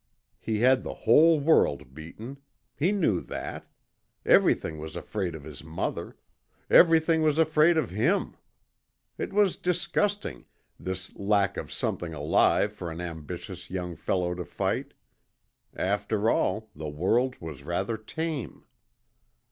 He had the whole world beaten. He knew that. Everything was afraid of his mother. Everything was afraid of HIM. It was disgusting this lack of something alive for an ambitious young fellow to fight. After all, the world was rather tame.